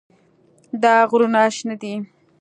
دا غرونه شنه دي.